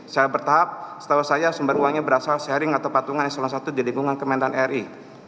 saya bertahap setelah saya sumber uangnya berasal sharing atau patungan yang salah satu di lingkungan kementan ri